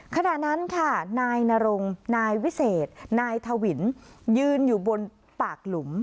ขณะนั้นค่ะนายนรงนายวิเศษนายทวินยืนอยู่บนปากหลุม